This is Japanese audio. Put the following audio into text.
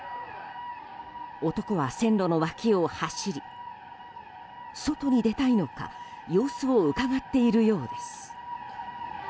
男は線路の脇を走り外に出たいのか様子をうかがっているようです。